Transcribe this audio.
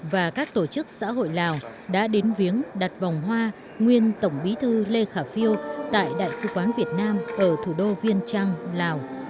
và các tổ chức xã hội lào đã đến viếng đặt vòng hoa nguyên tổng bí thư lê khả phiêu tại đại sứ quán việt nam ở thủ đô viên trăng lào